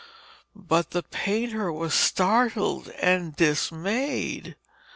But the painter was startled and dismayed.